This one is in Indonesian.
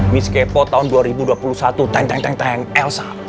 miss kepo tahun dua ribu dua puluh satu elsa